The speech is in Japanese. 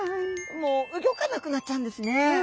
もう動かなくなっちゃうんですね。